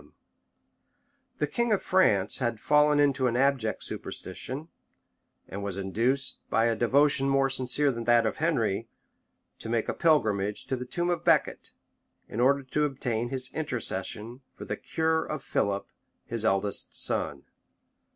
] The king of France had fallen into an abject superstition; and was induced, by a devotion more sincere than that of Henry, to make a pilgrimage to the tomb of Becket, in order to obtain his intercession for the cure of Philip, his eldest son.